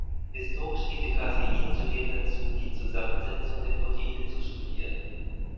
Historisch diente Casein zudem dazu, die Zusammensetzung der Proteine zu studieren.